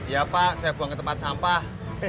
ya pak saya buang ke tempat sampah